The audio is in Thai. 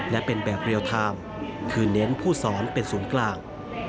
และเป็นแบบเรียลไทม์คือเน้นผู้สอนเป็นศูนย์กลาง